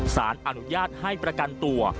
สารอนุญาตให้ประกันตัว